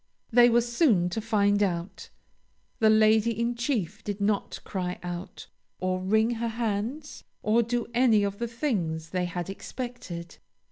They were soon to find out. The Lady in Chief did not cry out, or wring her hands, or do any of the things they had expected.